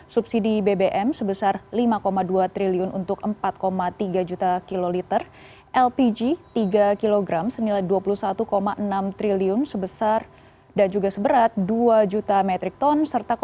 subsidi bbm sebesar rp lima belas tiga triliun untuk tiga puluh sembilan dua juta pelanggan dan sebagainya